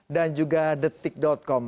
dan juga detik com